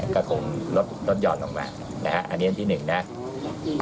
ก็คงลดยอดลงมาอันนี้เป็นที่๑